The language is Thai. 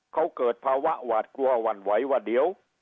เขาเกิดภาวะหวาดกลัวหวั่นไหวว่าเดี๋ยว